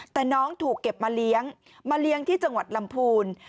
แต่น้องถูกเก็บมาเลี้ยงมาเลี้ยงที่จังหวัดลำพูน